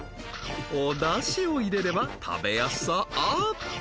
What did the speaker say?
お出汁を入れれば食べやすさアップ！